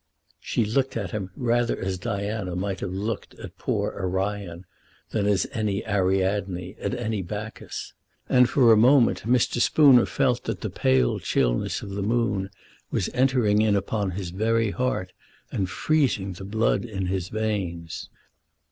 She looked at him rather as Diana might have looked at poor Orion than as any Ariadne at any Bacchus; and for a moment Mr. Spooner felt that the pale chillness of the moon was entering in upon his very heart and freezing the blood in his veins.